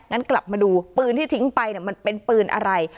งั้นกลับมาดูปืนที่ทิ้งไปมันเป็นปืนอะไร